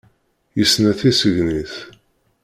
Yesna tisegnit